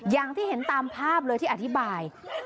อย่างที่เห็นตามภาพเลยที่อธิบาย